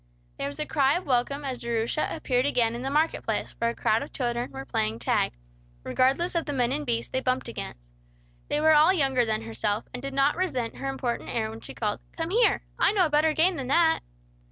There was a cry of welcome as Jerusha appeared again in the market place, where a crowd of children were playing tag, regardless of the men and beasts they bumped against. They were all younger than herself, and did not resent her important air when she called, "Come here! I know a better game than that!"